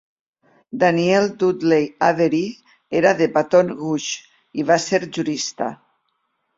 Daniel Dudley Avery era de Baton Rouge, i va ser jurista.